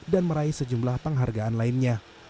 dan meraih sejumlah penghargaan lainnya